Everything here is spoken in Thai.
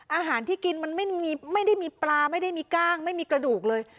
อาหารที่กินมันไม่ได้มีปลาไม่ได้มีกล้างไม่มีกระดูกเลย